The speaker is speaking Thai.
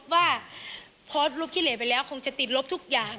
ว่าเพราะลูกคิเลตไปแล้วคงจะติดล๊อบทุกอย่าง